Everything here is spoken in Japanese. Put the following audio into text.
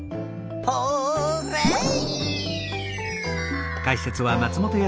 ホーレイ！